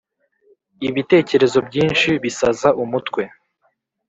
ibitekerezo byinshi bisaza umutwe